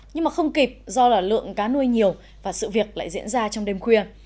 nhưng không kịp do lượng cá nuôi nhiều và sự việc lại diễn ra trong đêm khuya